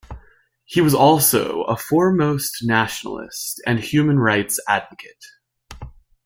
He was also a foremost nationalist and human rights advocate.